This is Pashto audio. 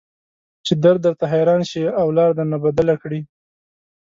چې درد درته حيران شي او لار درنه بدله کړي.